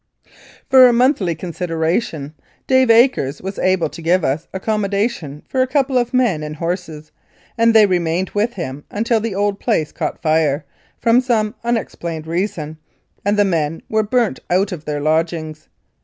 For a monthly consideration Dave Akers was able to give us accommodation for a couple of men and horses, and they remained with him until the old place caught fire, from some unexplained reason, and the men were burnt out of their lodgings.